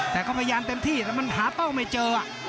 แต่ก็พยายามเต็มที่แต่มันหาเป้าไม่เจอ